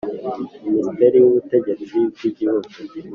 Minisiteri y Ubutegetsi bw igihugu